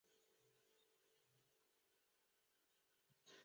In Nova, wormholes or hypergates may also be utilized for instantaneous travel.